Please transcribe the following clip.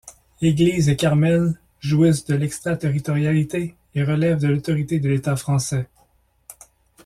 Église et carmel jouissent de l'extraterritorialité et relèvent de l'autorité de l'État français.